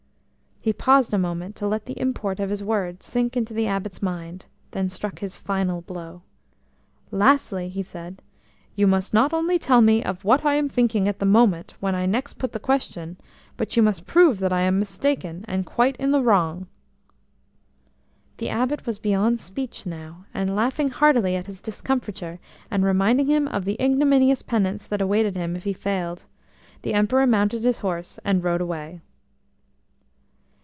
He paused a moment to let the import of his words sink into the Abbot's mind; then struck his final blow. "Lastly," he said, "you must not only tell me of what I am thinking at the moment, when I next put the question, but you must prove that I am mistaken, and quite in the wrong." The Abbot was beyond speech now, and, laughing heartily at his discomfiture, and reminding him of the ignominious penance that awaited him if he failed, the Emperor mounted his horse and rode away.